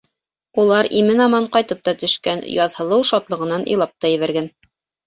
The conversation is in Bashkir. Улар имен-аман ҡайтып та төшкән, Яҙһылыу шатлығынан илап та ебәргән.